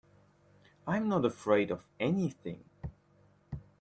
I'm not afraid of anything.